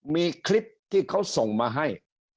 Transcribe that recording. มีคลิปที่เขาส่งมาให้